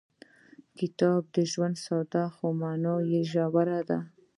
د کتاب ژبه ساده خو مانا یې ژوره ده.